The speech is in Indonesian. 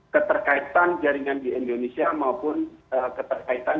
keterkaitan jaringan di indonesia maupun keterkaitan